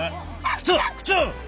靴靴！